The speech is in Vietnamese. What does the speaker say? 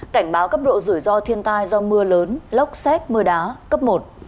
cảnh báo cấp độ rủi ro thiên tai do mưa lớn lốc xét mưa đá cấp một